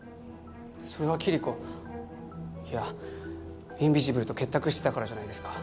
それはキリコいやインビジブルと結託してたからじゃないですか？